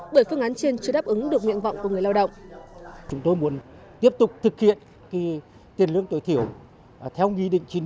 bởi phương án trên chưa đáp ứng được nguyện vọng của người lao động